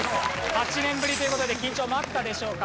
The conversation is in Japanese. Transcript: ８年ぶりという事で緊張もあったでしょうか？